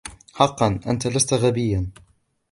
حقا ، أنت لست غبيا.